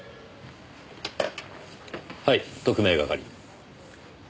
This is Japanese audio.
はい特命係。